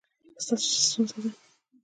ستاسو څه ستونزه ده؟